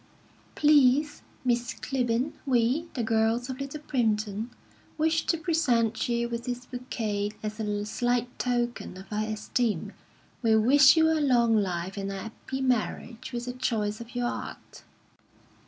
"Please, Miss Clibborn, we, the girls of Little Primpton, wish to present you with this bouquet as a slight token of our esteem. We wish you a long life and a 'appy marriage with the choice of your 'eart."